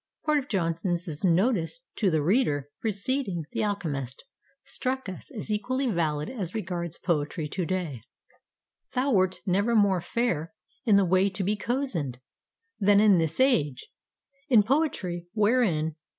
Part of Jonson's notice "To the Reader" preceding "The Alchemist" struck us as equally valid as regards poetry to day: Thou wert never more fair in the way to be cozened, than in this age, in poetry; wherein